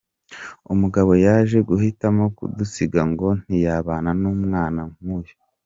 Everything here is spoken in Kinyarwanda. Umugabo yaje guhitamo kudusiga ngo ntiyabana n’umwana nk’uyu.